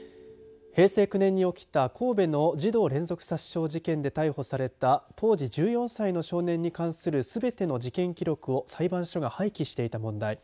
平成９年に起きた神戸の児童連続殺傷事件で逮捕された当時１４歳の少年に関するすべての事件記録を裁判所が廃棄していた問題。